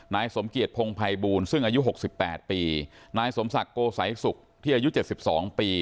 นายสมเกียจพงภัยบูลซึ่งอายุ๖๘ปีนายสมศักดิ์โกสัยศุกร์ที่อายุ๗๒ปี